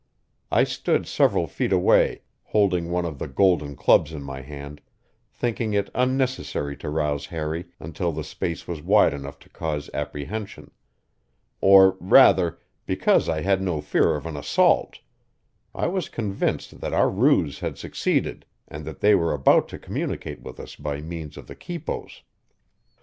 I stood several feet away, holding one of the golden clubs in my hand, thinking it unnecessary to rouse Harry until the space was wide enough to cause apprehension. Or rather, because I had no fear of an assault I was convinced that our ruse had succeeded, and that they were about to communicate with us by means of the quipos.